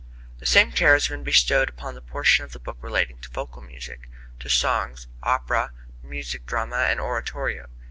The same care has been bestowed upon that portion of the book relating to vocal music to songs, opera, music drama and oratorio.